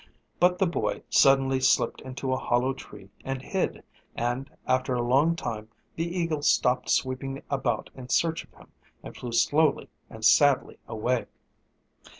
But the boy suddenly slipped into a hollow tree and hid, and after a long time the eagle stopped sweeping about in search of him and flew slowly and sadly away.